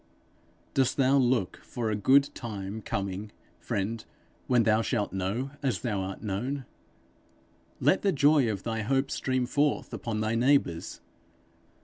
Dost thou look for a good time coming, friend, when thou shalt know as thou art known? Let the joy of thy hope stream forth upon thy neighbours.